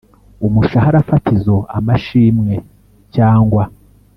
umushahara fatizo amashimwe cyangwa